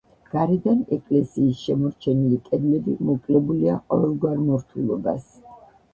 გარედან ეკლესიის შემორჩენილი კედლები მოკლებულია ყოველგვარ მორთულობას.